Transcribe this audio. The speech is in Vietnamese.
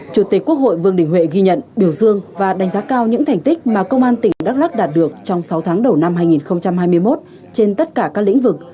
chủ tịch quốc hội vương đình huệ ghi nhận biểu dương và đánh giá cao những thành tích mà công an tỉnh đắk lắc đạt được trong sáu tháng đầu năm hai nghìn hai mươi một trên tất cả các lĩnh vực